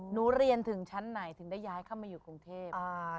หนูเรียนถึงชั้นไหนถึงได้ย้ายวก่อนเข้าม้ายุหกรุงเทพฯ